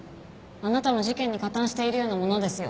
あなたも事件に加担しているようなものですよ。